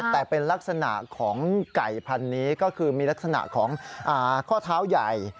แต่เป็นลักษณะของไก่พันธุ์นี้ก็คือมีลักษณะของข้อเท้าใหญ่